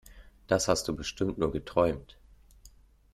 Das hast du bestimmt nur geträumt!